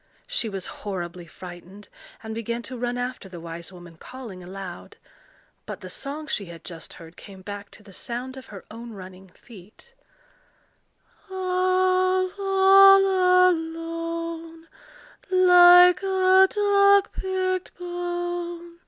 She was horribly frightened, and began to run after the wise woman, calling aloud. But the song she had just heard came back to the sound of her own running feet,— All all alone, Like a dog picked bone!